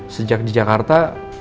sejak di jakarta